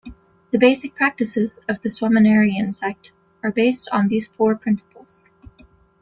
The basic practices of the Swaminarayan sect are based on these four principles.